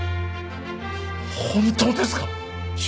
本当ですか！？